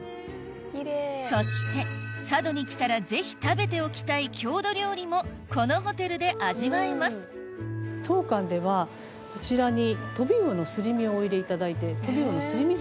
そして佐渡に来たらぜひ食べておきたい郷土料理もこのホテルで味わえます当館ではこちらに。